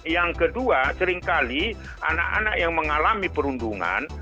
yang kedua seringkali anak anak yang mengalami perundungan